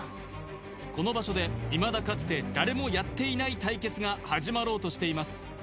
この場所でいまだかつて誰もやっていない対決が始まろうとしています